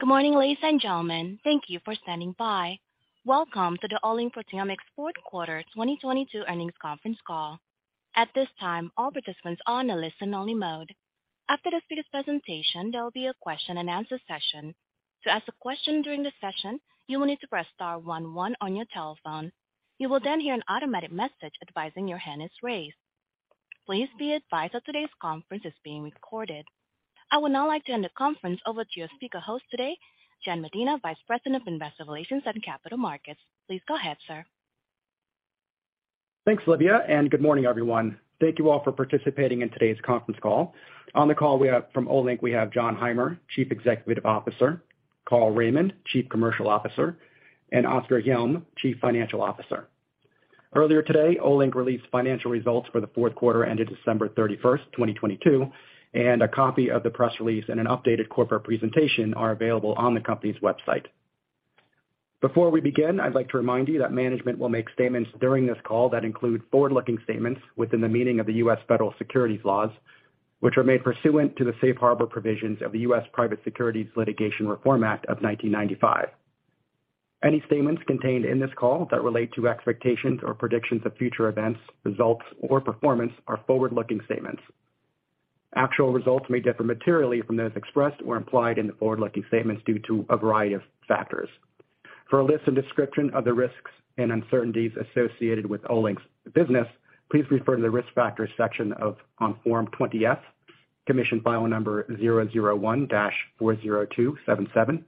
Good morning, ladies and gentlemen. Thank you for standing by. Welcome to the Olink Proteomics fourth quarter 2022 earnings conference call. At this time, all participants are on a listen only mode. After the speaker's presentation, there will be a question and answer session. To ask a question during this session, you will need to press star one one on your telephone. You will then hear an automatic message advising your hand is raised. Please be advised that today's conference is being recorded. I would now like to hand the conference over to your speaker host today, Jan Medina, Vice President of Investor Relations and Capital Markets. Please go ahead, sir. Thanks, Livia. Good morning, everyone. Thank you all for participating in today's conference call. On the call from Olink, we have Jon Heimer, Chief Executive Officer, Carl Raimond, Chief Commercial Officer, and Oskar Hjelm, Chief Financial Officer. Earlier today, Olink released financial results for the fourth quarter ended December 31st, 2022. A copy of the press release and an updated corporate presentation are available on the company's website. Before we begin, I'd like to remind you that management will make statements during this call that include forward-looking statements within the meaning of the U.S. federal securities laws, which are made pursuant to the safe harbor provisions of the U.S. Private Securities Litigation Reform Act of 1995. Any statements contained in this call that relate to expectations or predictions of future events, results or performance are forward-looking statements. Actual results may differ materially from those expressed or implied in the forward-looking statements due to a variety of factors. For a list and description of the risks and uncertainties associated with Olink's business, please refer to the Risk Factors section on Form 20-F, commission file number 001-40277,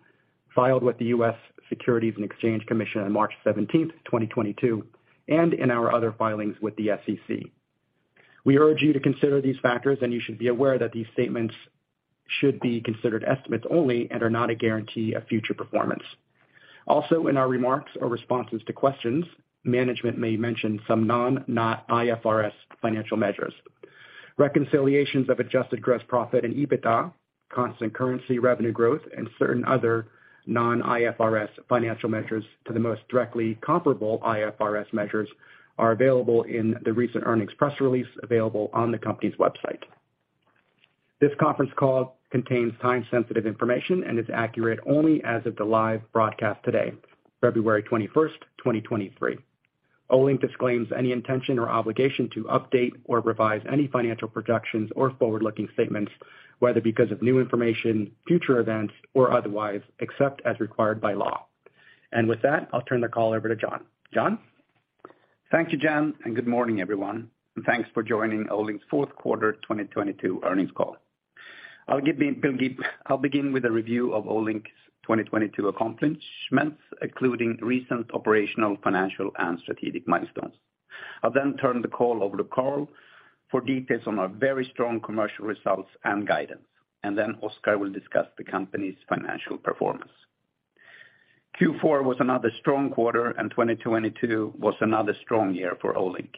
filed with the U.S. Securities and Exchange Commission on March 17, 2022, and in our other filings with the SEC. We urge you to consider these factors, and you should be aware that these statements should be considered estimates only and are not a guarantee of future performance. In our remarks or responses to questions, management may mention some non-IFRS financial measures. Reconciliations of adjusted gross profit and EBITDA, constant currency revenue growth, and certain other non-IFRS financial measures to the most directly comparable IFRS measures are available in the recent earnings press release available on the company's website. This conference call contains time-sensitive information and is accurate only as of the live broadcast today, February 21st, 2023. Olink disclaims any intention or obligation to update or revise any financial projections or forward-looking statements, whether because of new information, future events, or otherwise, except as required by law. With that, I'll turn the call over to Jon. Jon. Thank you, Jan, and good morning, everyone, and thanks for joining Olink's fourth quarter 2022 earnings call. I'll begin with a review of Olink's 2022 accomplishments, including recent operational, financial, and strategic milestones. I'll then turn the call over to Carl for details on our very strong commercial results and guidance, and then Oscar will discuss the company's financial performance. Q4 was another strong quarter, and 2022 was another strong year for Olink.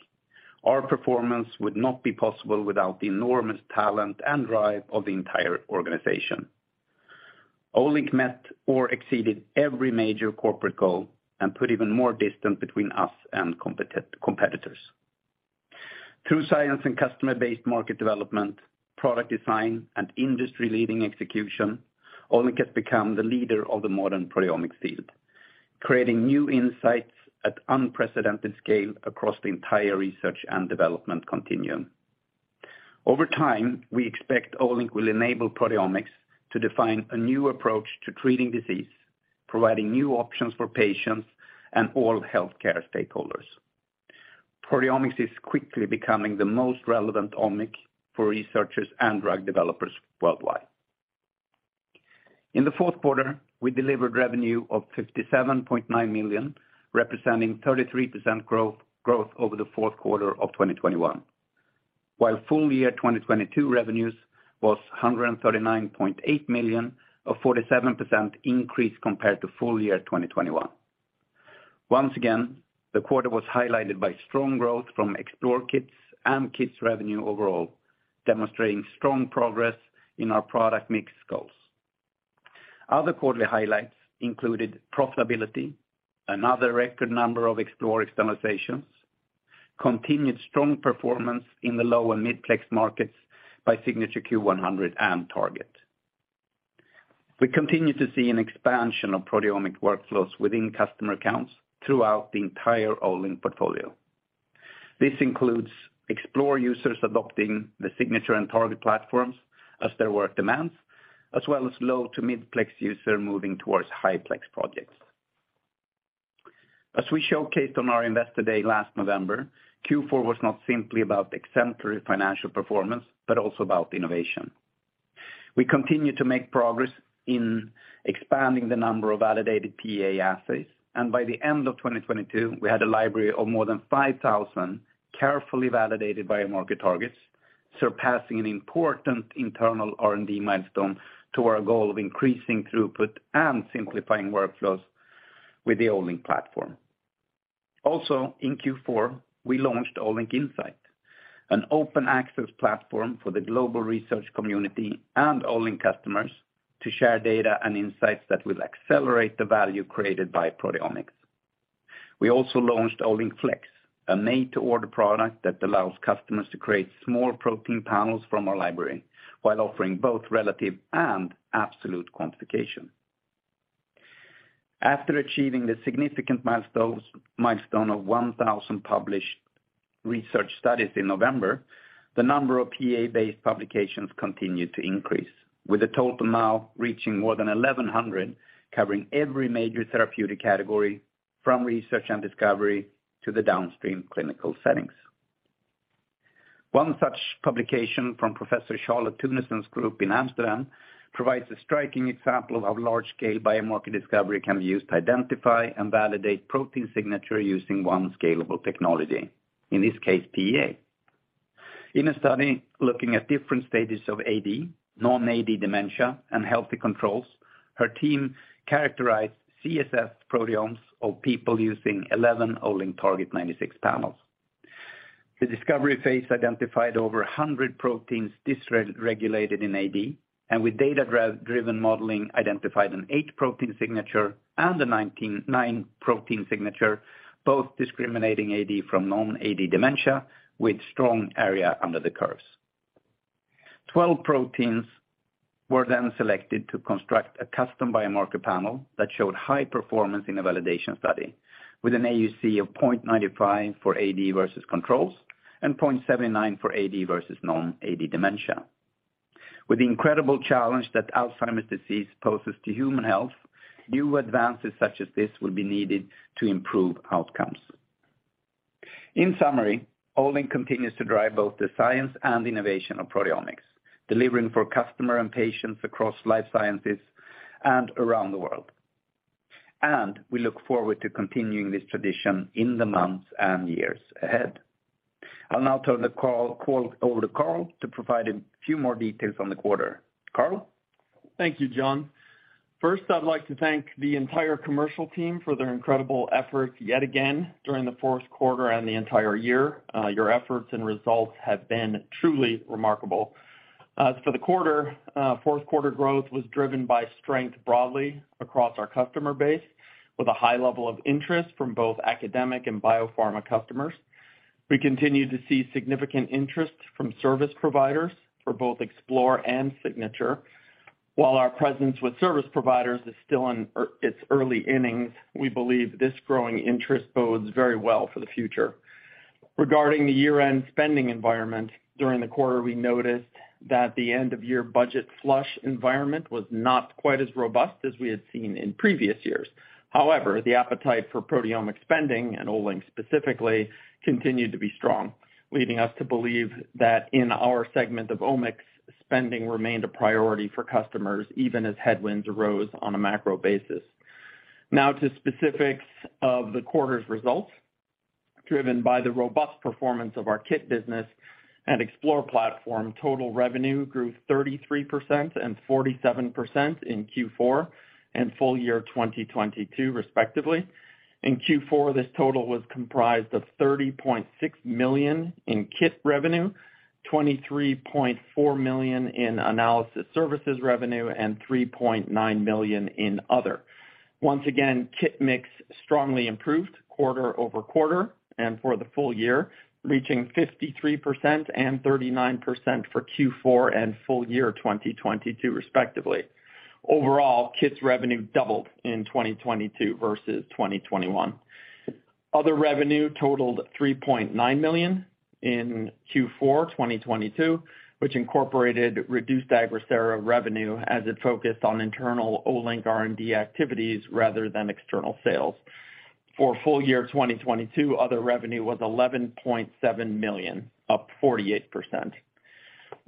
Our performance would not be possible without the enormous talent and drive of the entire organization. Olink met or exceeded every major corporate goal and put even more distance between us and competitors. Through science and customer-based market development, product design and industry-leading execution, Olink has become the leader of the modern proteomics field, creating new insights at unprecedented scale across the entire research and development continuum. Over time, we expect Olink will enable proteomics to define a new approach to treating disease, providing new options for patients and all healthcare stakeholders. Proteomics is quickly becoming the most relevant omics for researchers and drug developers worldwide. In the fourth quarter, we delivered revenue of $57.9 million, representing 33% growth over the fourth quarter of 2021. While full year 2022 revenues was $139.8 million, a 47% increase compared to full year 2021. Once again, the quarter was highlighted by strong growth from Explore Kits and Kits revenue overall, demonstrating strong progress in our product mix goals. Other quarterly highlights included profitability, another record number of Explore externalizations, continued strong performance in the low- and mid-plex markets by Signature Q100 and Target. We continue to see an expansion of proteomic workflows within customer accounts throughout the entire Olink portfolio. This includes Explore users adopting the Signature and Target platforms as their work demands, as well as low to mid-plex user moving towards high-plex projects. As we showcased on our Investor Day last November, Q4 was not simply about exemplary financial performance, but also about innovation. We continue to make progress in expanding the number of validated PEA assays, and by the end of 2022, we had a library of more than 5,000 carefully validated biomarker targets, surpassing an important internal R&D milestone to our goal of increasing throughput and simplifying workflows with the Olink platform. In Q4, we launched Olink Insight, an open access platform for the global research community and Olink customers to share data and insights that will accelerate the value created by proteomics. We also launched Olink Flex, a made-to-order product that allows customers to create small protein panels from our library while offering both relative and absolute quantification. After achieving the significant milestone of 1,000 published research studies in November, the number of PA-based publications continued to increase, with a total now reaching more than 1,100, covering every major therapeutic category from research and discovery to the downstream clinical settings. One such publication from Professor Charlotte Teunissen's group in Amsterdam provides a striking example of large-scale biomarker discovery can be used to identify and validate protein signature using one scalable technology, in this case, PEA. In a study looking at different stages of AD, non-AD dementia, and healthy controls, her team characterized CSF proteomes of people using 11 Olink Target 96 panels. The discovery phase identified over 100-proteins dysregulated in AD, and with data-driven modeling, identified an 8-protein signature and a 19, 9-protein signature, both discriminating AD from non-AD dementia with strong area under the curves. 12-proteins were then selected to construct a custom biomarker panel that showed high performance in a validation study with an AUC of 0.95 for AD versus controls, and 0.79 for AD versus non-AD dementia. With the incredible challenge that Alzheimer's disease poses to human health, new advances such as this will be needed to improve outcomes. In summary, Olink continues to drive both the science and innovation of proteomics, delivering for customer and patients across life sciences and around the world. we look forward to continuing this tradition in the months and years ahead. I'll now turn the call over to Carl to provide a few more details on the quarter. Carl? Thank you, John. First, I'd like to thank the entire commercial team for their incredible efforts yet again during the fourth quarter and the entire year. Your efforts and results have been truly remarkable. As for the quarter, fourth quarter growth was driven by strength broadly across our customer base with a high level of interest from both academic and biopharma customers. We continue to see significant interest from service providers for both Explore and Signature. While our presence with service providers is still in its early innings, we believe this growing interest bodes very well for the future. Regarding the year-end spending environment, during the quarter, we noticed that the end of year budget flush environment was not quite as robust as we had seen in previous years. The appetite for proteomic spending, and Olink specifically, continued to be strong, leading us to believe that in our segment of omics, spending remained a priority for customers, even as headwinds arose on a macro basis. To specifics of the quarter's results. Driven by the robust performance of our kit business and Explore platform, total revenue grew 33% and 47% in Q4 and full year 2022 respectively. In Q4, this total was comprised of $30.6 million in kit revenue, $23.4 million in analysis services revenue, and $3.9 million in other. Kit mix strongly improved quarter-over-quarter and for the full year, reaching 53% and 39% for Q4 and full year 2022 respectively. Kits revenue doubled in 2022 versus 2021. Other revenue totaled 3.9 million in Q4 2022, which incorporated reduced Agrisera revenue as it focused on internal Olink R&D activities rather than external sales. For full year 2022, other revenue was 11.7 million, up 48%.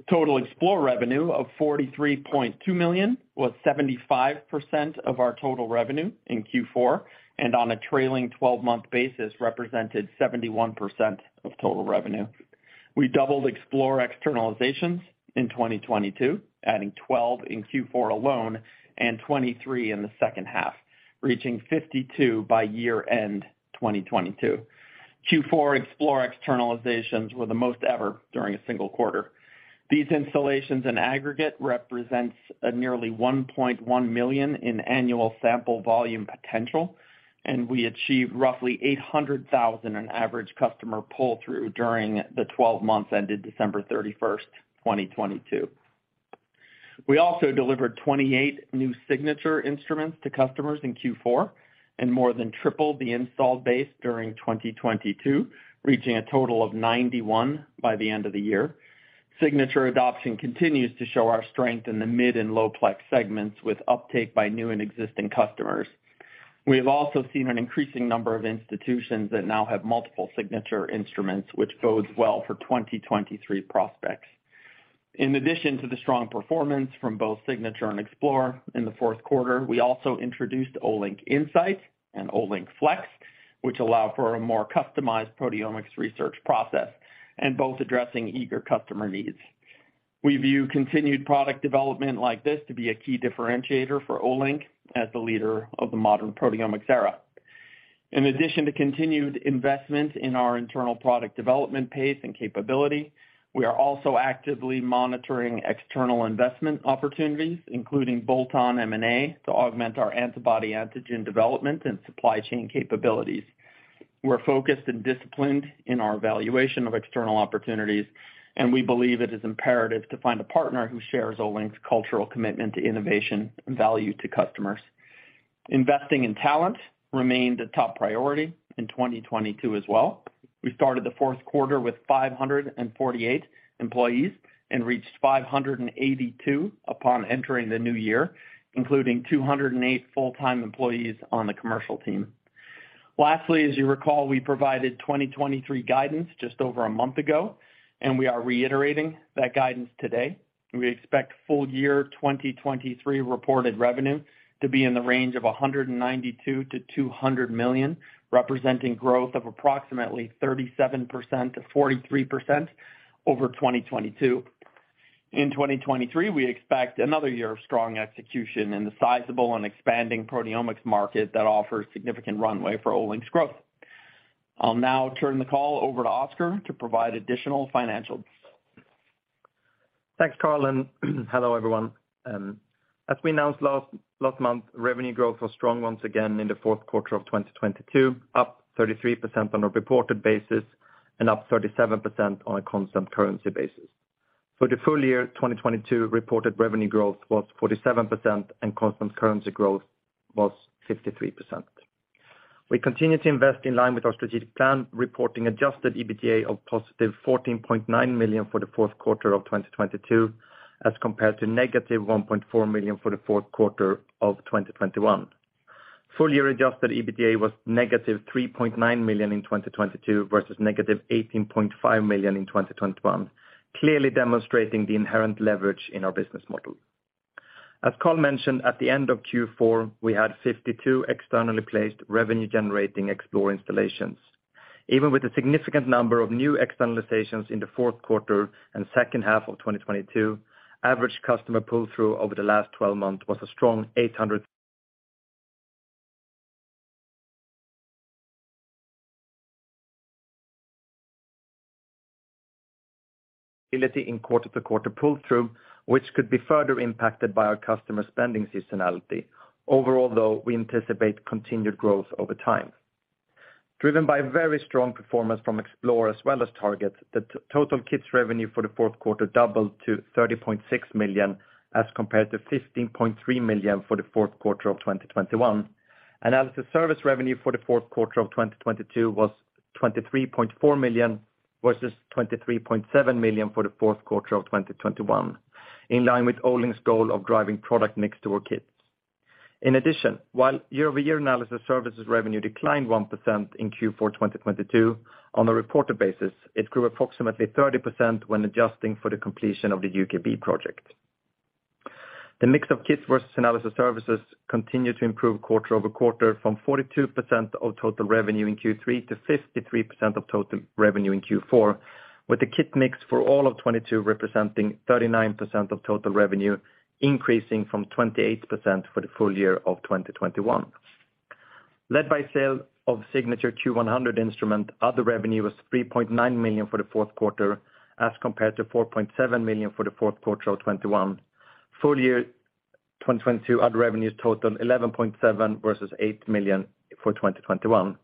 Total Explore revenue of 43.2 million was 75% of our total revenue in Q4. On a trailing 12-month basis, represented 71% of total revenue. We doubled Explore externalizations in 2022, adding 12 in Q4 alone and 23 in the second half, reaching 52 by year-end 2022. Q4 Explore externalizations were the most ever during a single quarter. These installations in aggregate represents a nearly 1.1 million in annual sample volume potential. We achieved roughly 800,000 in average customer pull-through during the 12 months ended December 31st, 2022. We also delivered 28 new Signature instruments to customers in Q4 and more than tripled the installed base during 2022, reaching a total of 91 by the end of the year. Signature adoption continues to show our strength in the mid-plex and low-plex segments with uptake by new and existing customers. We have also seen an increasing number of institutions that now have multiple Signature instruments, which bodes well for 2023 prospects. In addition to the strong performance from both Signature and Explore in the fourth quarter, we also introduced Olink Insight and Olink Flex, which allow for a more customized proteomics research process, and both addressing eager customer needs. We view continued product development like this to be a key differentiator for Olink as the leader of the modern proteomics era. In addition to continued investment in our internal product development pace and capability, we are also actively monitoring external investment opportunities, including bolt-on M&A, to augment our antibody antigen development and supply chain capabilities. We're focused and disciplined in our valuation of external opportunities. We believe it is imperative to find a partner who shares Olink's cultural commitment to innovation and value to customers. Investing in talent remained a top priority in 2022 as well. We started the fourth quarter with 548 employees and reached 582 upon entering the new year, including 208 full-time employees on the commercial team. Lastly, as you recall, we provided 2023 guidance just over a month ago. We are reiterating that guidance today. We expect full year 2023 reported revenue to be in the range of 192 million-200 million, representing growth of approximately 37%-43% over 2022. In 2023, we expect another year of strong execution in the sizable and expanding proteomics market that offers significant runway for Olink's growth. I'll now turn the call over to Oscar to provide additional financial details. Thanks, Carl. Hello, everyone. As we announced last month, revenue growth was strong once again in the fourth quarter of 2022, up 33% on a reported basis and up 37% on a constant currency basis. For the full year, 2022 reported revenue growth was 47% and constant currency growth was 53%. We continue to invest in line with our strategic plan, reporting adjusted EBITDA of positive $14.9 million for the fourth quarter of 2022, as compared to negative $1.4 million for the fourth quarter of 2021. Full year adjusted EBITDA was negative $3.9 million in 2022 versus negative $18.5 million in 2021, clearly demonstrating the inherent leverage in our business model. As Carl mentioned, at the end of Q4, we had 52 externally placed revenue generating Explore installations. Even with a significant number of new external stations in the fourth quarter and second half of 2022, average customer pull-through over the last 12 months was a strong 800 in quarter-to-quarter pull-through, which could be further impacted by our customer spending seasonality. Overall, though, we anticipate continued growth over time. Driven by very strong performance from Explore as well as Target, the total kits revenue for the fourth quarter doubled to $30.6 million as compared to $15.3 million for the fourth quarter of 2021. Analysis service revenue for the fourth quarter of 2022 was $23.4 million versus $23.7 million for the fourth quarter of 2021, in line with Olink's goal of driving product next to our kits. While year-over-year analysis services revenue declined 1% in Q4 2022 on a reported basis, it grew approximately 30% when adjusting for the completion of the UKB project. The mix of kits versus analysis services continued to improve quarter-over-quarter from 42% of total revenue in Q3 to 53% of total revenue in Q4, with the kit mix for all of 2022 representing 39% of total revenue, increasing from 28% for the full year of 2021. Led by sale of Signature Q100 instrument, other revenue was 3.9 million for the fourth quarter as compared to 4.7 million for the fourth quarter of 2021. Full year 2022, other revenues totaled 11.7 million versus eight million for 2021.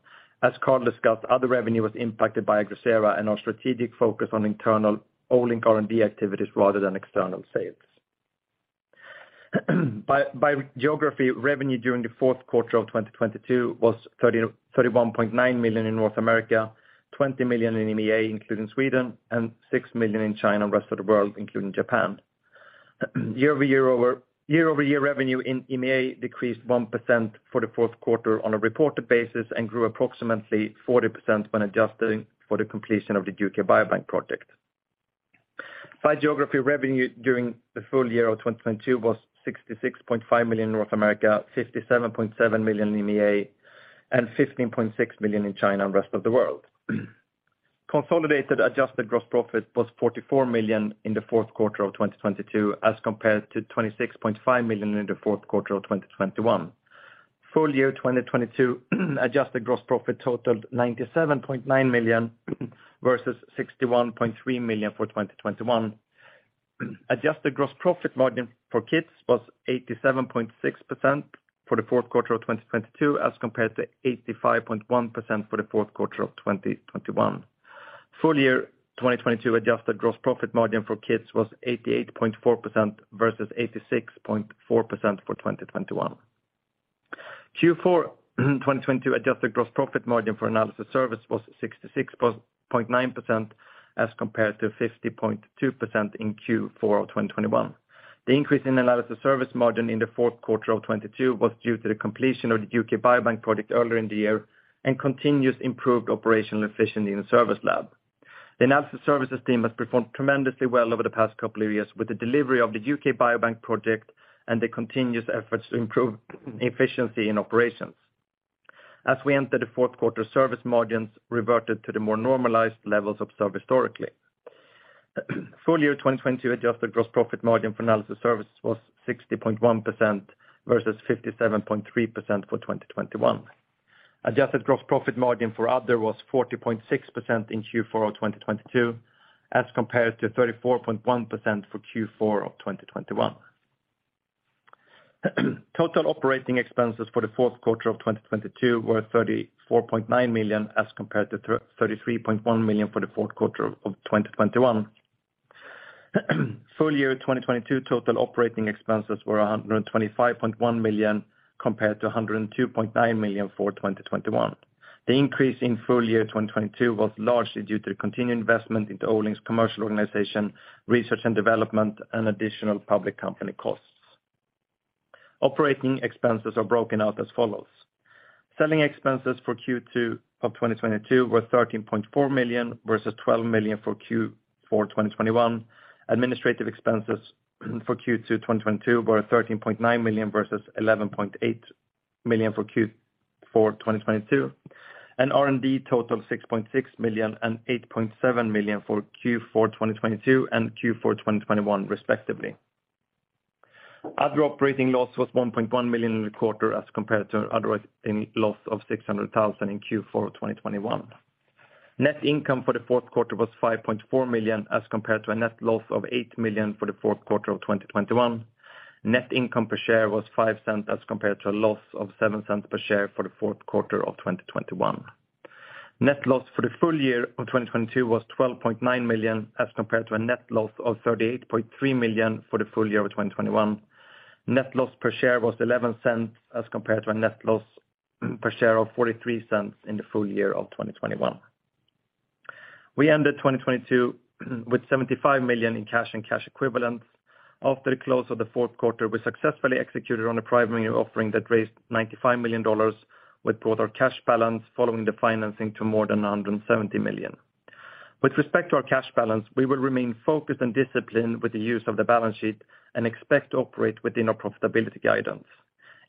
As Carl discussed, other revenue was impacted by Agrisera and our strategic focus on internal Olink R&D activities rather than external sales. By geography, revenue during the fourth quarter of 2022 was 31.9 million in North America, 20 million in EMEA, including Sweden, and six million in China, and rest of the world, including Japan. Year-over-year revenue in EMEA decreased 1% for the fourth quarter on a reported basis and grew approximately 40% when adjusting for the completion of the UK Biobank project. By geography, revenue during the full year of 2022 was 66.5 million in North America, 57.7 million in EMEA, and 15.6 million in China and rest of the world. Consolidated adjusted gross profit was $44 million in the fourth quarter of 2022, as compared to $26.5 million in the fourth quarter of 2021. Full year 2022 adjusted gross profit totaled $97.9 million versus $61.3 million for 2021. Adjusted gross profit margin for kits was 87.6% for the fourth quarter of 2022, as compared to 85.1% for the fourth quarter of 2021. Full year 2022 adjusted gross profit margin for kits was 88.4% versus 86.4% for 2021. Q4 2022 adjusted gross profit margin for analysis service was 66.9% as compared to 50.2% in Q4 of 2021. The increase in analysis service margin in Q4 of 2022 was due to the completion of the UK Biobank project earlier in the year and continuous improved operational efficiency in the service lab. The analysis services team has performed tremendously well over the past couple of years with the delivery of the UK Biobank project and the continuous efforts to improve efficiency in operations. As we enter Q4, service margins reverted to the more normalized levels observed historically. Full year 2022 adjusted gross profit margin for analysis service was 60.1% versus 57.3% for 2021. Adjusted gross profit margin for other was 40.6% in Q4 of 2022 as compared to 34.1% for Q4 of 2021. Total operating expenses for the fourth quarter of 2022 were 34.9 million, as compared to 33.1 million for the fourth quarter of 2021. Full year 2022 total operating expenses were 125.1 million compared to 102.9 million for 2021. The increase in full year 2022 was largely due to the continued investment into Olink's commercial organization, research and development, and additional public company costs. Operating expenses are broken out as follows. Selling expenses for Q2 of 2022 were 13.4 million versus 12 million for Q4 2021. Administrative expenses for Q2 2022 were 13.9 million versus 11.8 million for Q4 2022. R&D total of 6.6 million and 8.7 million for Q4 2022 and Q4 2021 respectively. Other operating loss was 1.1 million in the quarter as compared to other operating loss of 600,000 in Q4 of 2021. Net income for the fourth quarter was 5.4 million, as compared to a net loss of eight million for the fourth quarter of 2021. Net income per share was 0.05, as compared to a loss of 0.07 per share for the fourth quarter of 2021. Net loss for the full year of 2022 was 12.9 million, as compared to a net loss of 38.3 million for the full year of 2021. Net loss per share was 0.11, as compared to a net loss per share of 0.43 in the full year of 2021. We ended 2022 with 75 million in cash and cash equivalents. After the close of the fourth quarter, we successfully executed on a private new offering that raised $95 million, which brought our cash balance following the financing to more than $170 million. With respect to our cash balance, we will remain focused and disciplined with the use of the balance sheet and expect to operate within our profitability guidance.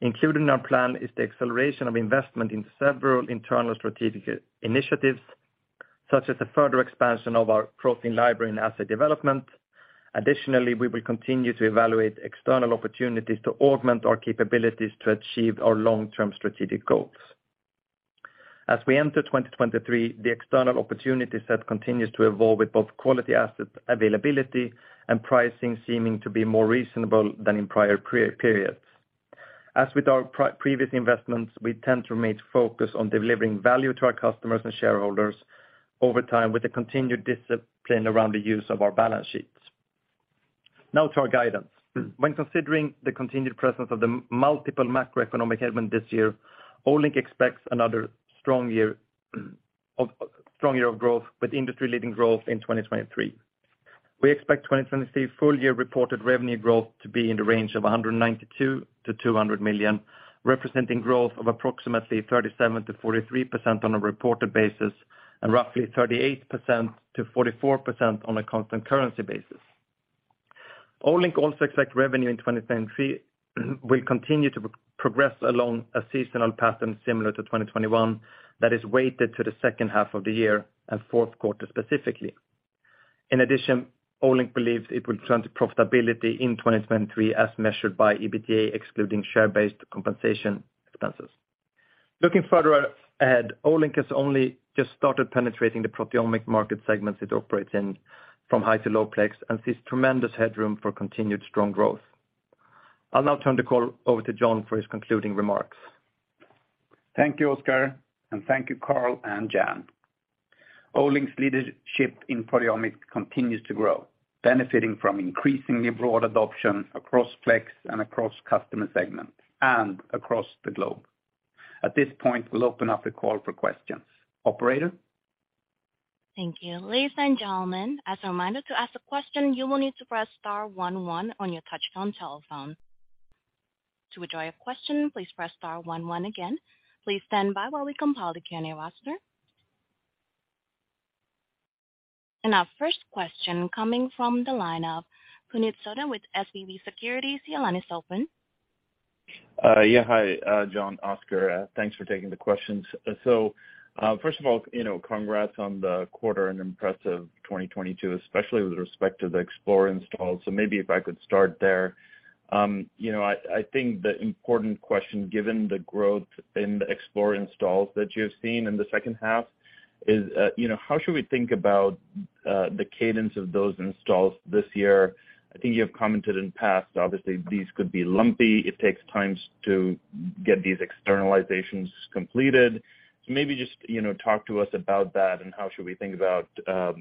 Included in our plan is the acceleration of investment in several internal strategic initiatives, such as the further expansion of our protein library and asset development. Additionally, we will continue to evaluate external opportunities to augment our capabilities to achieve our long-term strategic goals. As we enter 2023, the external opportunity set continues to evolve with both quality asset availability and pricing seeming to be more reasonable than in prior per-periods. As with our pre-previous investments, we intend to remain focused on delivering value to our customers and shareholders over time, with a continued discipline around the use of our balance sheets. Now to our guidance. When considering the continued presence of the multiple macroeconomic headwind this year, Olink expects another strong year of growth with industry-leading growth in 2023. We expect 2023 full year reported revenue growth to be in the range of 192 million-200 million, representing growth of approximately 37%-43% on a reported basis, and roughly 38%-44% on a constant currency basis. Olink also expects revenue in 2023 will continue to progress along a seasonal pattern similar to 2021, that is weighted to the second half of the year and fourth quarter specifically. Olink believes it will turn to profitability in 2023 as measured by EBITDA, excluding share-based compensation expenses. Looking further ahead, Olink has only just started penetrating the proteomic market segments it operates in from high to low plex, and sees tremendous headroom for continued strong growth. I'll now turn the call over to John for his concluding remarks. Thank you, Oskar, and thank you, Carl and Jan. Olink's leadership in proteomics continues to grow, benefiting from increasingly broad adoption across plex and across customer segments, and across the globe. At this point, we'll open up the call for questions. Operator? Thank you. Ladies and gentlemen, as a reminder, to ask a question, you will need to press star one one on your touchtone telephone. To withdraw your question, please press star one one again. Please stand by while we compile the Q&A roster. Our first question coming from the line of Puneet Souda with SVB Securities. Your line is open. Yeah. Hi, John, Oskar. Thanks for taking the questions. First of all, you know, congrats on the quarter and impressive 2022, especially with respect to the Explorer installs. Maybe if I could start there. You know, I think the important question, given the growth in the Explorer installs that you have seen in the second half is, you know, how should we think about the cadence of those installs this year? I think you have commented in the past, obviously, these could be lumpy. It takes times to get these externalizations completed. Maybe just, you know, talk to us about that, and how should we think about,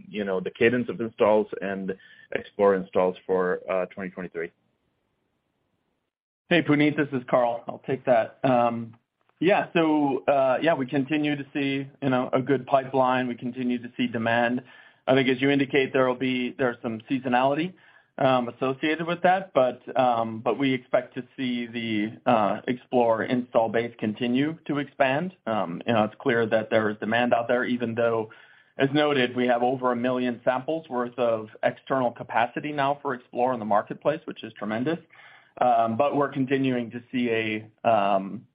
you know, the cadence of installs and Explorer installs for 2023. Hey, Puneet, this is Carl. I'll take that. Yeah, we continue to see, you know, a good pipeline. We continue to see demand. I think, as you indicate, there are some seasonality associated with that, but we expect to see the Explorer install base continue to expand. You know, it's clear that there is demand out there, even though, as noted, we have over one million samples worth of external capacity now for Explorer in the marketplace, which is tremendous. We're continuing to see a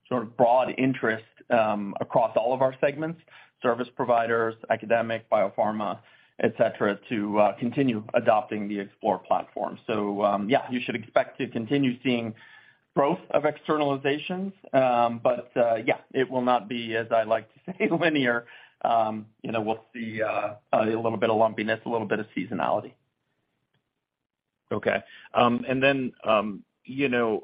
sort of broad interest across all of our segments, service providers, academic, biopharma, et cetera, to continue adopting the Explorer platform. Yeah, you should expect to continue seeing growth of externalizations. Yeah, it will not be, as I like to say, linear. You know, we'll see, a little bit of lumpiness, a little bit of seasonality. Okay. You know,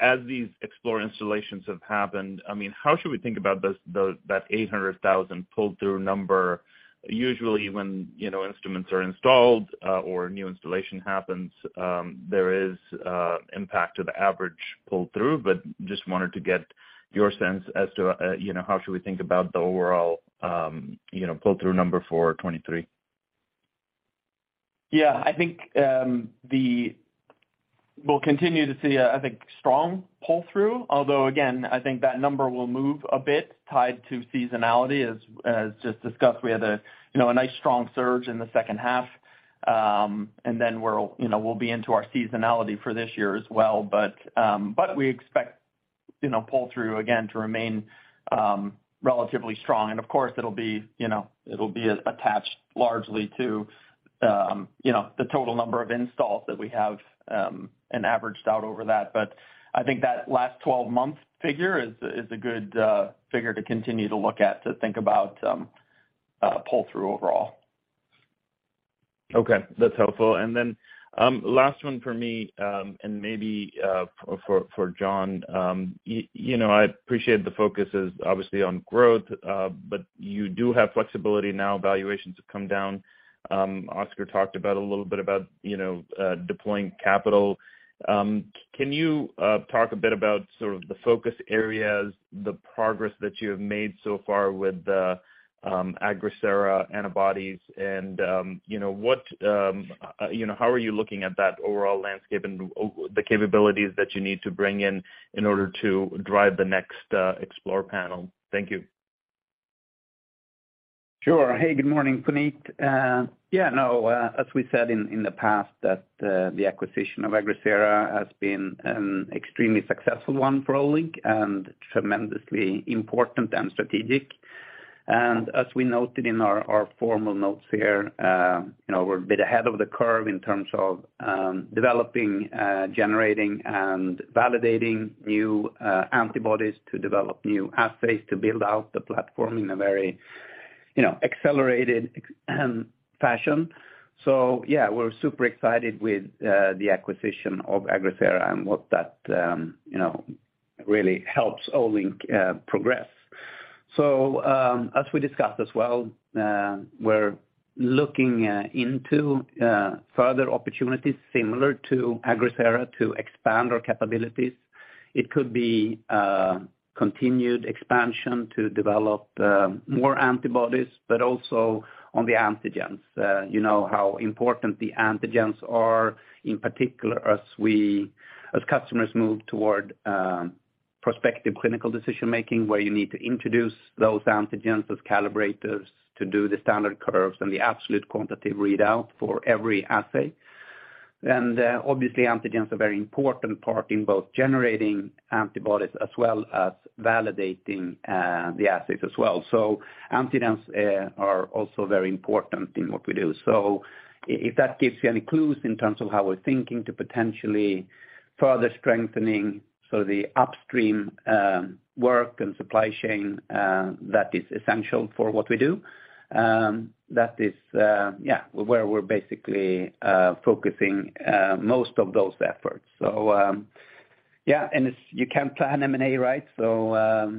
as these Explore installations have happened, I mean, how should we think about those, that 800,000 pull-through number? Usually when, you know, instruments are installed, or new installation happens, there is impact to the average pull-through. Just wanted to get your sense as to, you know, how should we think about the overall, you know, pull-through number for 23. Yeah. I think, we'll continue to see a, I think, strong pull-through, although again, I think that number will move a bit tied to seasonality. As just discussed, we had a, you know, a nice strong surge in the second half. We'll, you know, we'll be into our seasonality for this year as well, but we expect, you know, pull-through again to remain relatively strong. Of course, it'll be, you know, it'll be attached largely to, you know, the total number of installs that we have and averaged out over that. I think that last 12-month figure is a good figure to continue to look at, to think about pull-through overall. Okay. That's helpful. Last one for me, and maybe for John. You know, I appreciate the focus is obviously on growth, but you do have flexibility now, valuations have come down. Oskar talked about a little about, you know, deploying capital. Can you talk a bit about sort of the focus areas, the progress that you have made so far with the Agrisera antibodies and, you know, what, you know, how are you looking at that overall landscape and the capabilities that you need to bring in in order to drive the next Explore panel? Thank you. Sure. Hey, good morning, Puneet. Yeah, no, as we said in the past that, the acquisition of Agrisera has been an extremely successful one for Olink and tremendously important and strategic. As we noted in our formal notes here, you know, we're a bit ahead of the curve in terms of developing, generating and validating new antibodies to develop new assays to build out the platform in a very, you know, accelerated fashion. Yeah, we're super excited with the acquisition of Agrisera and what that, you know, really helps Olink progress. As we discussed as well, we're looking into further opportunities similar to Agrisera to expand our capabilities. It could be continued expansion to develop more antibodies, but also on the antigens. You know how important the antigens are, in particular as we, as customers move toward prospective clinical decision-making, where you need to introduce those antigens as calibrators to do the standard curves and the absolute quantitative readout for every assay. Obviously, antigens are very important part in both generating antibodies as well as validating the assays as well. Antigens are also very important in what we do. If that gives you any clues in terms of how we're thinking to potentially further strengthening, so the upstream work and supply chain that is essential for what we do, that is, yeah, where we're basically focusing most of those efforts. Yeah, and it's, you can't plan M&A, right? We're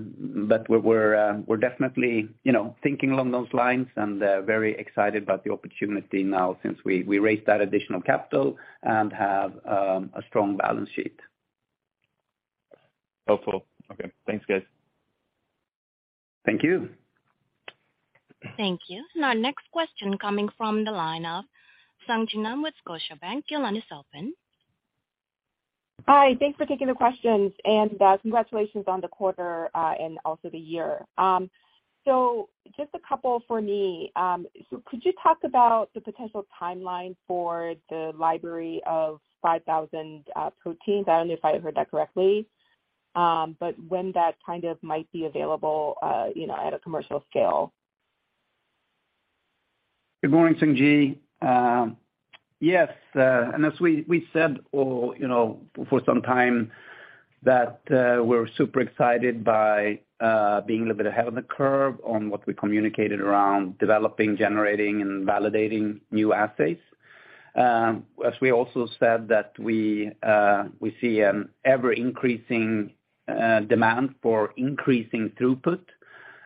definitely, you know, thinking along those lines and very excited about the opportunity now since we raised that additional capital and have a strong balance sheet. Helpful. Okay. Thanks, guys. Thank you. Thank you. Our next question coming from the line of Sung Ji Nam with Scotiabank. Your line is open. Hi. Thanks for taking the questions, congratulations on the quarter, and also the year. Just a couple for me. Could you talk about the potential timeline for the library of 5,000-proteins? I don't know if I heard that correctly. When that kind of might be available, you know, at a commercial scale. Good morning, Sung Ji. Yes, as we said, or, you know, for some time that, we're super excited by, being a little bit ahead of the curve on what we communicated around developing, generating, and validating new assays. As we also said that we see an ever-increasing demand for increasing throughput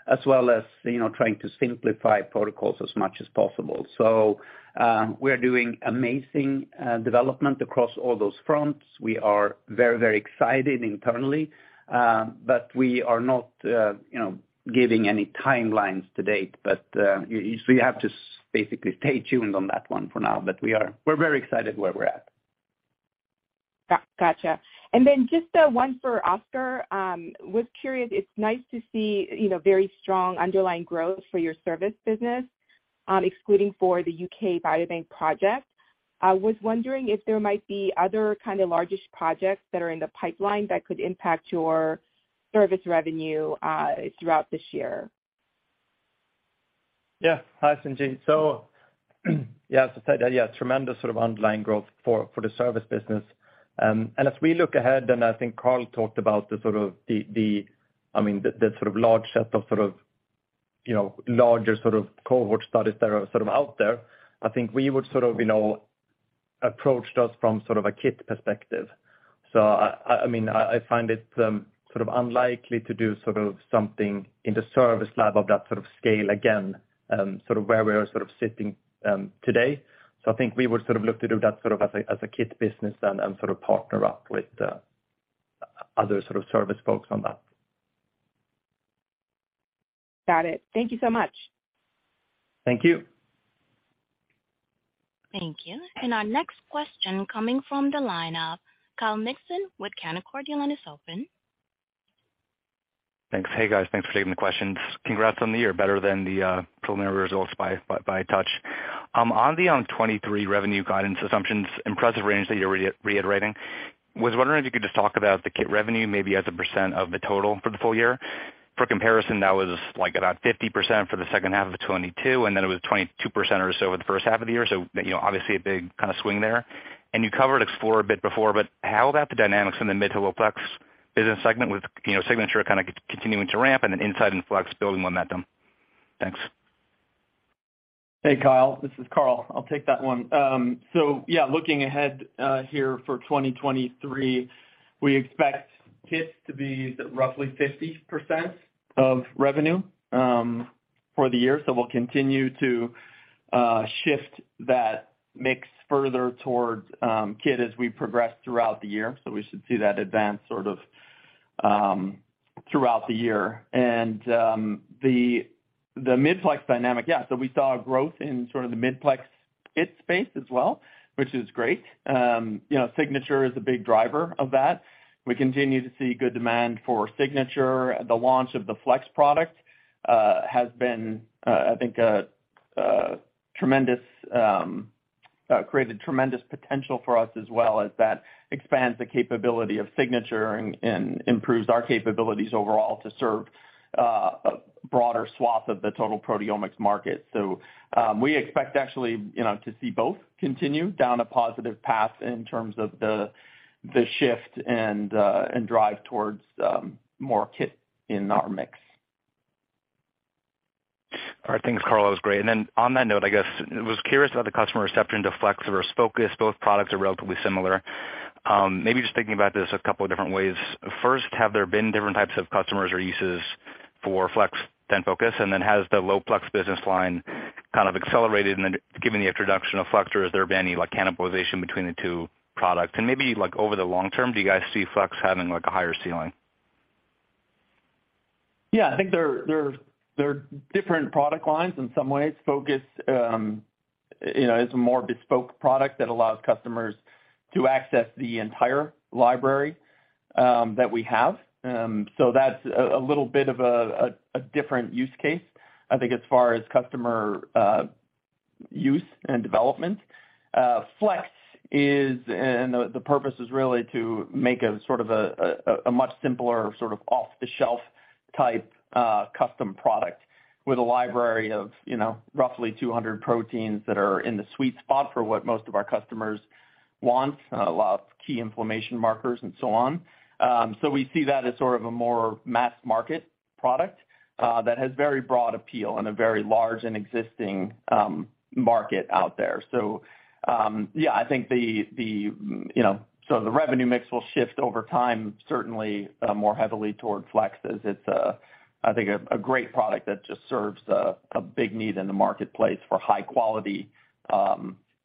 as well as, you know, trying to simplify protocols as much as possible. We are doing amazing development across all those fronts. We are very, very excited internally, we are not, you know, giving any timelines to date. You, so you have to basically stay tuned on that one for now. We are, we're very excited where we're at. Gotcha. Then just one for Oskar. Was curious, it's nice to see, you know, very strong underlying growth for your service business, excluding for the UK Biobank project. I was wondering if there might be other kind of largish projects that are in the pipeline that could impact your service revenue throughout this year? Yeah. Hi, Sung Jin. As I said, tremendous sort of underlying growth for the service business. As we look ahead, and I think Carl talked about the sort of the, I mean, the sort of large set of You know, larger sort of cohort studies that are sort of out there. I think we would sort of, you know, approach those from sort of a kit perspective. I mean, I find it sort of unlikely to do sort of something in the service lab of that sort of scale again, sort of where we are sort of sitting today. I think we would sort of look to do that sort of as a kit business and sort of partner up with other sort of service folks on that. Got it. Thank you so much. Thank you. Thank you. Our next question coming from the line of Kyle Mikson with Canaccord. Your line is open. Thanks. Hey, guys. Thanks for taking the questions. Congrats on the year, better than the preliminary results by a touch. On 2023 revenue guidance assumptions, impressive range that you're reiterating. Was wondering if you could just talk about the kit revenue, maybe as a percent of the total for the full year. For comparison, that was like about 50% for the second half of 2022. Then it was 22% or so over the first half of the year. You know, obviously a big kind of swing there. You covered Olink Explore a bit before, but how about the dynamics in the mid to low plex business segment with, you know, Olink Signature kind of continuing to ramp? Then Inside and Olink Flex building momentum? Thanks. Hey, Kyle, this is Carl. I'll take that one. Looking ahead here for 2023, we expect kits to be roughly 50% of revenue for the year. We'll continue to shift that mix further towards kit as we progress throughout the year. We should see that advance sort of throughout the year. The mid-plex dynamic, so we saw growth in sort of the mid-plex kit space as well, which is great. You know, Signature is a big driver of that. We continue to see good demand for Signature. The launch of the Flex product has been, I think, created tremendous potential for us as well as that expands the capability of Signature and improves our capabilities overall to serve a broader swath of the total proteomics market. We expect actually, you know, to see both continue down a positive path in terms of the shift and drive towards more kit in our mix. All right. Thanks, Carl. That was great. On that note, I guess I was curious about the customer reception to Flex versus Focus. Both products are relatively similar. Maybe just thinking about this a couple of different ways. First, have there been different types of customers or uses for Flex than Focus? Has the low-plex business line kind of accelerated given the introduction of Flex? Has there been any, like, cannibalization between the two products? Maybe, like, over the long term, do you guys see Flex having, like, a higher ceiling? Yeah, I think they're different product lines in some ways. Olink Focus, you know, is a more bespoke product that allows customers to access the entire library that we have. That's a little bit of a different use case, I think as far as customer use and development. Olink Flex and the purpose is really to make a sort of a much simpler sort of off-the-shelf type custom product with a library of, you know, roughly 200-proteins that are in the sweet spot for what most of our customers want, a lot of key inflammation markers and so on. We see that as sort of a more mass market product that has very broad appeal and a very large and existing market out there. Yeah, I think the, you know, so the revenue mix will shift over time, certainly, more heavily toward Flex as it's, I think a great product that just serves a big need in the marketplace for high quality,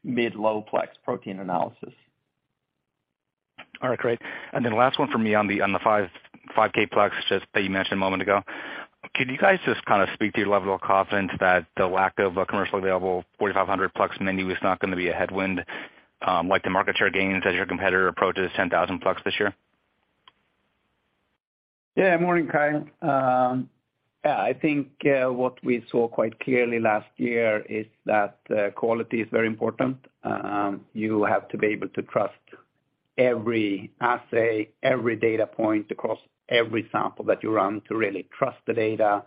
mid low plex protein analysis. Last one for me on the 5,500 plex, just that you mentioned a moment ago. Can you guys just kind of speak to your level of confidence that the lack of a commercially available 4,500 plex menu is not going to be a headwind, like the market share gains as your competitor approaches 10,000 plex this year? Yeah. Morning, Kyle. Yeah, I think what we saw quite clearly last year is that quality is very important. You have to be able to trust every assay, every data point across every sample that you run to really trust the data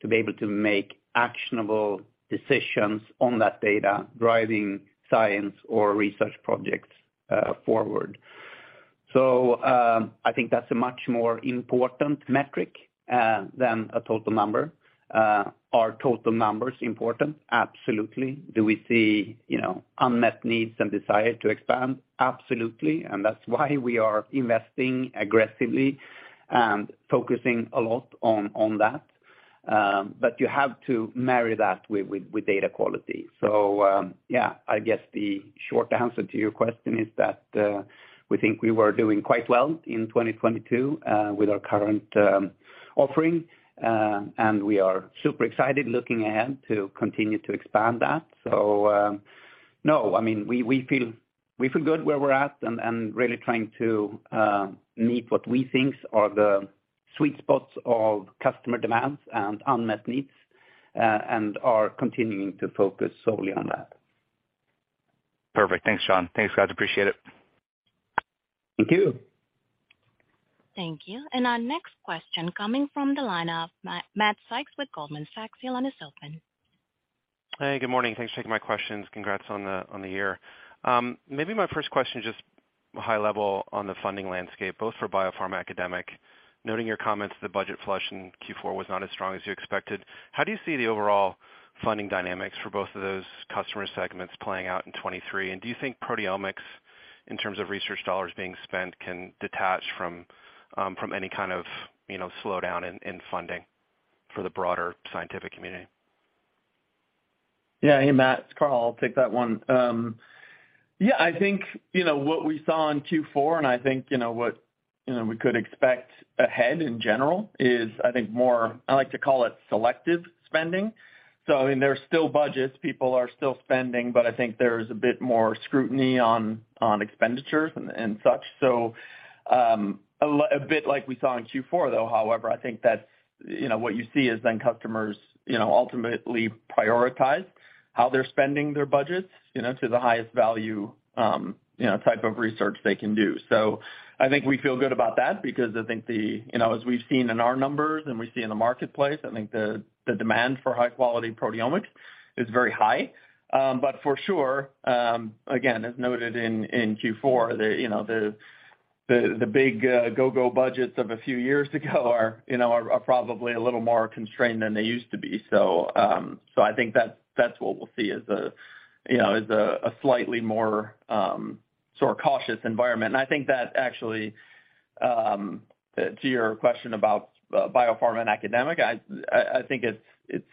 to be able to make actionable decisions on that data, driving science or research projects, forward. I think that's a much more important metric than a total number. Are total numbers important? Absolutely. Do we see, you know, unmet needs and desire to expand? Absolutely. That's why we are investing aggressively and focusing a lot on that. You have to marry that with data quality. Yeah, I guess the short answer to your question is that we think we were doing quite well in 2022 with our current offering, and we are super excited looking ahead to continue to expand that. No, I mean, we feel, we feel good where we're at and really trying to meet what we think are the sweet spots of customer demands and unmet needs, and are continuing to focus solely on that. Perfect. Thanks, Jon. Thanks, guys. Appreciate it. Thank you. Thank you. Our next question coming from the line of Matthew Sykes with Goldman Sachs. Your line is open. Hey, good morning. Thanks for taking my questions. Congrats on the year. Maybe my first question, just high level on the funding landscape, both for biopharma, academic. Noting your comments, the budget flush in Q4 was not as strong as you expected. How do you see the overall funding dynamics for both of those customer segments playing out in 2023? Do you think proteomics, in terms of research dollars being spent, can detach from any kind of, you know, slowdown in funding for the broader scientific community? Yeah. Hey, Matt, it's Carl. I'll take that one. Yeah, I think, you know, what we saw in Q4, and I think, you know, what, you know, we could expect ahead in general is, I think more... I like to call it selective spending. I mean, there's still budgets, people are still spending, but I think there's a bit more scrutiny on expenditures and such. A bit like we saw in Q4 though, however, I think that, you know, what you see is then customers, you know, ultimately prioritize how they're spending their budgets, you know, to the highest value, you know, type of research they can do. I think we feel good about that because I think the... You know, as we've seen in our numbers and we see in the marketplace, I think the demand for high quality proteomics is very high. For sure, again, as noted in Q4, the, you know, the, the big go-go budgets of a few years ago are, you know, are probably a little more constrained than they used to be. I think that's what we'll see is a, you know, is a slightly more sort of cautious environment. I think that actually, to your question about biopharma and academic, I think it's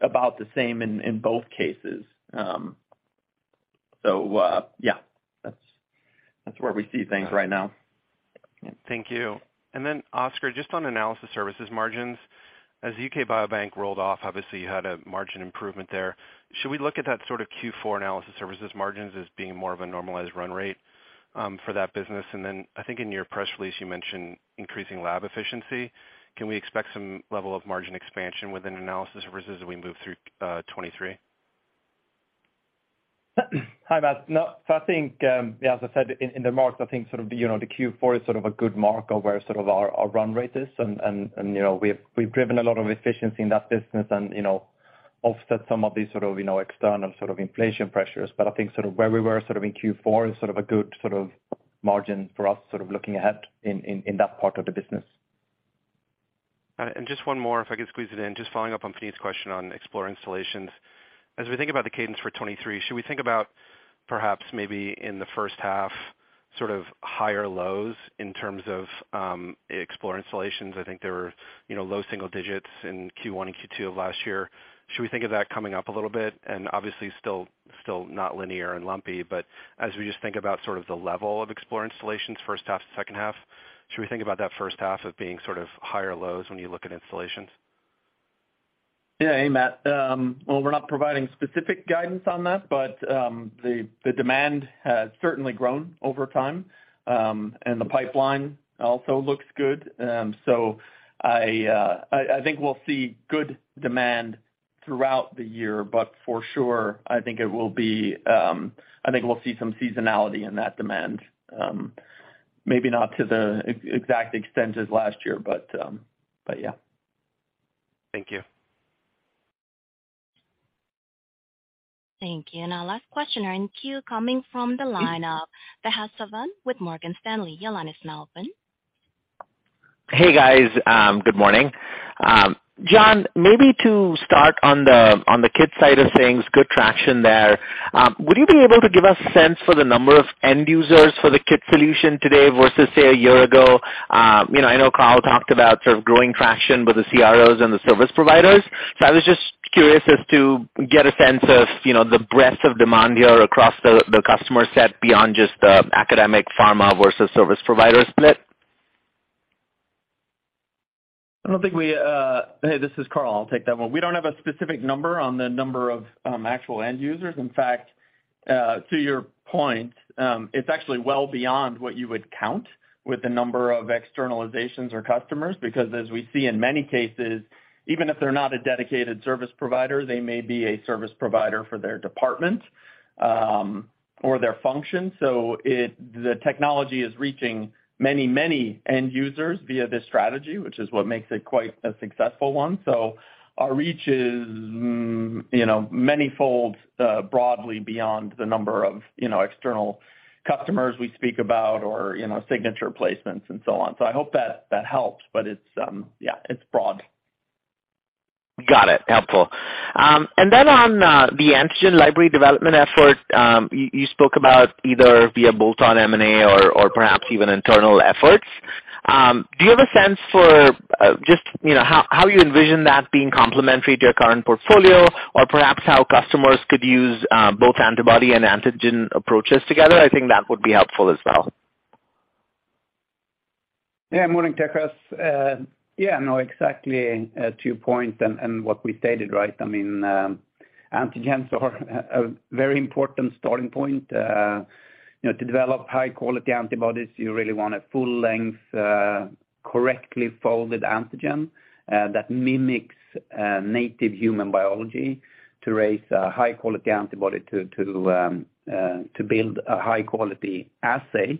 about the same in both cases. Yeah, that's where we see things right now. Thank you. Oscar, just on analysis services margins. As UK Biobank rolled off, obviously you had a margin improvement there. Should we look at that sort of Q4 analysis services margins as being more of a normalized run rate for that business? I think in your press release, you mentioned increasing lab efficiency. Can we expect some level of margin expansion within analysis services as we move through 2023? Hi, Matt. I think, as I said in the market, I think sort of, you know, the Q4 is sort of a good marker where sort of our run rate is and, you know, we've driven a lot of efficiency in that business and, you know, offset some of these sort of, you know, external sort of inflation pressures. I think sort of where we were sort of in Q4 is sort of a good sort of margin for us sort of looking ahead in that part of the business. Just one more, if I could squeeze it in. Just following up on Puneet's question on Explore installations. As we think about the cadence for 2023, should we think about perhaps maybe in the first half, sort of higher lows in terms of Explore installations? I think there were, you know, low single digits in Q1 and Q2 of last year. Should we think of that coming up a little bit? Obviously still not linear and lumpy, but as we just think about sort of the level of Explore installations first half to second half, should we think about that first half of being sort of higher lows when you look at installations? Yeah. Hey, Matt. well, we're not providing specific guidance on that, but, the demand has certainly grown over time, and the pipeline also looks good. So I think we'll see good demand throughout the year, but for sure, I think it will be, I think we'll see some seasonality in that demand. Maybe not to the exact extent as last year, yeah. Thank you. Thank you. Our last questioner in queue coming from the line of Tejas Savant with Morgan Stanley. Your line is now open. Hey, guys, good morning. John, maybe to start on the, on the kit side of things, good traction there. Would you be able to give a sense for the number of end users for the kit solution today versus, say, a year ago? You know, I know Carl talked about sort of growing traction with the CROs and the service providers. I was just curious as to get a sense of, you know, the breadth of demand here across the customer set beyond just the academic pharma versus service provider split. I don't think we. Hey, this is Carl. I'll take that one. We don't have a specific number on the number of actual end users. In fact, to your point, it's actually well beyond what you would count with the number of externalizations or customers, because as we see in many cases, even if they're not a dedicated service provider, they may be a service provider for their department, or their function. The technology is reaching many, many end users via this strategy, which is what makes it quite a successful one. Our reach is, you know, many folds, broadly beyond the number of, you know, external customers we speak about or, you know, signature placements and so on. I hope that helps. It's, yeah, it's broad. Got it. Helpful. On the antigen library development effort, you spoke about either via bolt-on M&A or perhaps even internal efforts. Do you have a sense for just, you know, how you envision that being complementary to your current portfolio or perhaps how customers could use both antibody and antigen approaches together? I think that would be helpful as well. Yeah. Morning, Tejas. No, exactly, two points and what we stated, right? I mean, antigens are a very important starting point. You know, to develop high quality antibodies, you really want a full length, correctly folded antigen that mimics native human biology to raise a high quality antibody to build a high quality assay.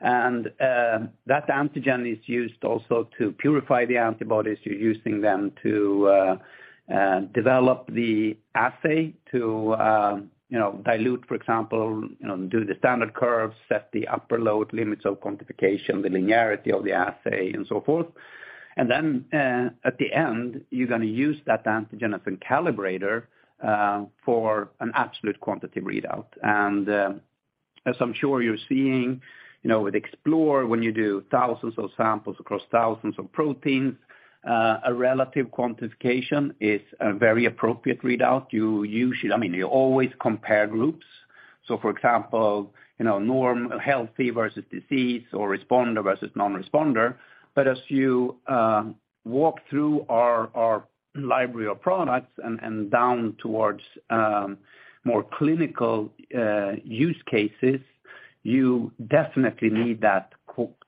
That antigen is used also to purify the antibodies. You're using them to develop the assay to, you know, dilute, for example, you know, do the standard curves, set the upper load limits of quantification, the linearity of the assay and so forth. At the end, you're gonna use that antigen as a calibrator for an absolute quantitative readout. As I'm sure you're seeing, you know, with Olink Explore, when you do thousands of samples across thousands of proteins, a relative quantification is a very appropriate readout. I mean, you always compare groups. For example, you know, norm healthy versus disease or responder versus non-responder. As you walk through our library of products and down towards, more clinical, use cases, you definitely need that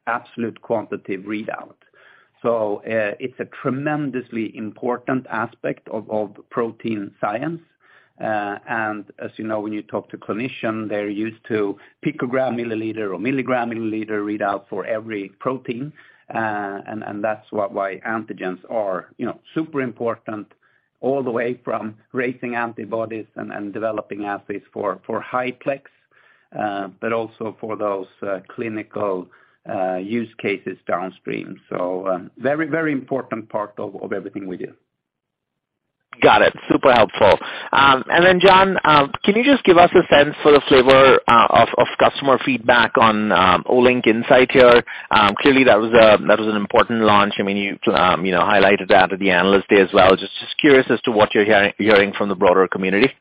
absolute quantitative readout. It's a tremendously important aspect of protein science. As you know, when you talk to clinician, they're used to picogram milliliter or milligram milliliter readout for every protein. That's why antigens are, you know, super important all the way from raising antibodies and developing assays for high-plex, but also for those, clinical, use cases downstream. Very important part of everything we do. Got it. Super helpful. Then John, can you just give us a sense for the flavor of customer feedback on Olink Insight here? Clearly that was an important launch. I mean, you know, highlighted that at the Analyst Day as well. Just curious as to what you're hearing from the broader community.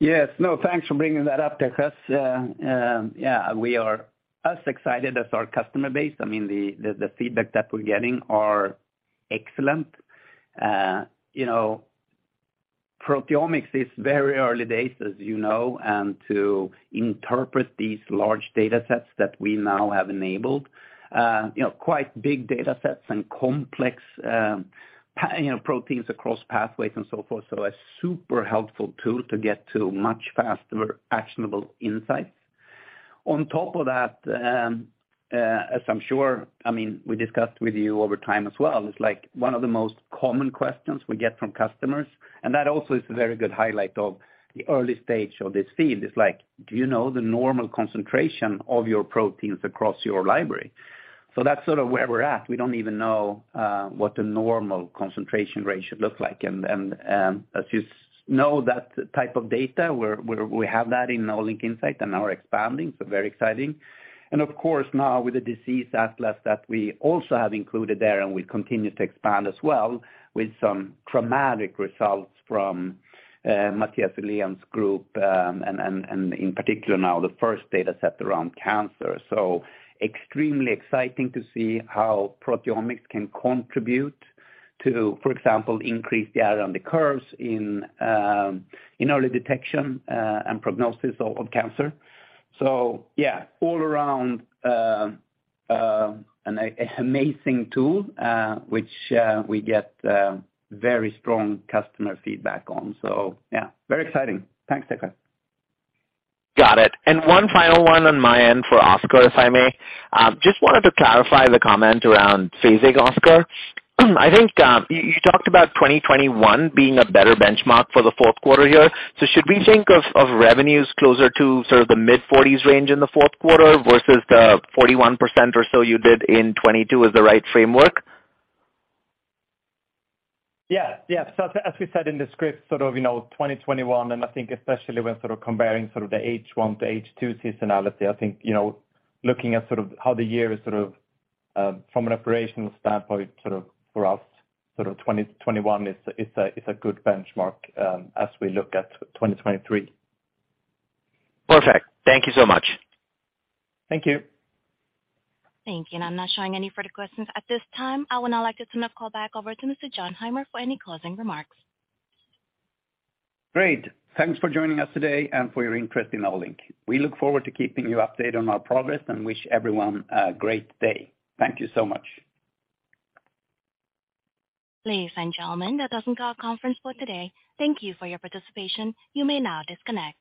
Yes. Thanks for bringing that up, Tejas. Yeah, we are as excited as our customer base. I mean, the feedback that we're getting are excellent. You know, proteomics is very early days, as you know, and to interpret these large data sets that we now have enabled, you know, quite big data sets and complex, you know, proteins across pathways and so forth. A super helpful tool to get to much faster, actionable insights. On top of that, as I'm sure, I mean, we discussed with you over time as well, it's like one of the most common questions we get from customers, and that also is a very good highlight of the early stage of this field. It's like, do you know the normal concentration of your proteins across your library? That's sort of where we're at. We don't even know what the normal concentration rate should look like. As you know, that type of data, we have that in Olink Insight and now we're expanding, very exciting. Of course, now with the disease atlas that we also have included there, and we continue to expand as well with some dramatic results from Mathias Uhlén's group, and in particular now the first data set around cancer. Extremely exciting to see how proteomics can contribute to, for example, increase the area under curves in early detection and prognosis of cancer. Yeah, all around, an amazing tool which we get very strong customer feedback on. Yeah, very exciting. Thanks, Tejas. Got it. One final one on my end for Oskar, if I may. Just wanted to clarify the comment around phasing, Oskar. I think, you talked about 2021 being a better benchmark for the fourth quarter here. Should we think of revenues closer to sort of the mid-40s range in the fourth quarter versus the 41% or so you did in 2022 as the right framework? Yeah. Yeah. As, as we said in the script, sort of, you know, 2021, and I think especially when sort of comparing sort of the H1 to H2 seasonality, I think, you know, looking at sort of how the year is sort of from an operational standpoint sort of for us, sort of 2021 is a good benchmark as we look at 2023. Perfect. Thank you so much. Thank you. Thank you. I'm not showing any further questions at this time. I would now like to turn the call back over to Mr. Jon Heimer for any closing remarks. Great. Thanks for joining us today and for your interest in Olink. We look forward to keeping you updated on our progress and wish everyone a great day. Thank you so much. Ladies and gentlemen, that does end our conference for today. Thank you for your participation. You may now disconnect.